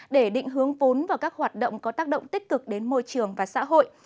để định hướng vốn vào các hoạt động có tác động tích cực đến môi trường và xã hội